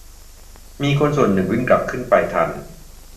มีคนส่วนหนึ่งวิ่งกลับขึ้นไปทัน